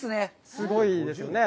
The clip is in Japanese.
すごいですね。